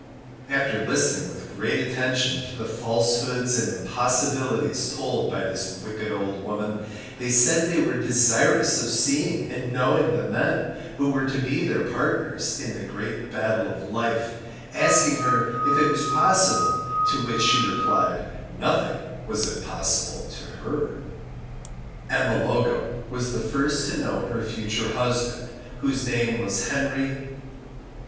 After listening with great attention to the falsehoods and impossibilities told by this wicked old woman, they said they were desirous of seeing and knowing the men who were to be their partners in the great battle of life, asking her if it was possible, to which she replied, nothing was impossible to her. Emma Logo was the first to know her future husband, whose name was Henry